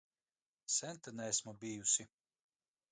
Sen te neesmu bijusi.